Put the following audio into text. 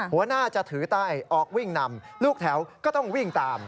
หัวหน้าจะถือใต้ออกวิ่งนำลูกแถวก็ต้องวิ่งตาม